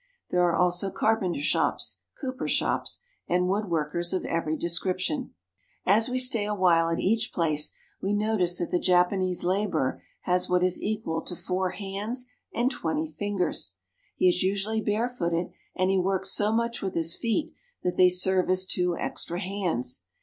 There are also carpenter shops, cooper shops, and woodworkers of every description. CARP. ASIA — 6 90 JAPAN As we stay awhile at each place, we notice that the Japanese laborer has what is equal to four hands and twenty fingers. He is usually barefooted, and he works so much with his feet that they serve as two extra hands.